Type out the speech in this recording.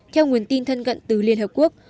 theo nguồn tin thân cận từ liên hợp quốc